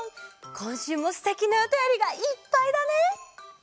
こんしゅうもすてきなおたよりがいっぱいだね。